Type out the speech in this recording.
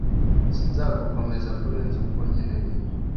Sinzagukomeza kurenza uko nkeneye